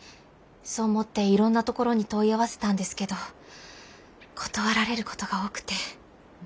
そう思っていろんなところに問い合わせたんですけど断られることが多くて。